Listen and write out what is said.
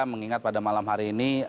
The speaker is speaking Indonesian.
mengingat pada malam hari ini